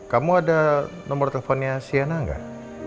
kamu ada nomer teleponnya sienna gak